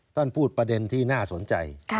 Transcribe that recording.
ท่านพูดประเด็นที่น่าสนใจ